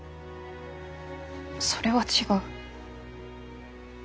それは違う。